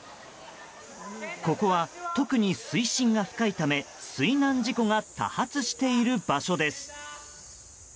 ここは特に水深が深いため水難事故が多発している場所です。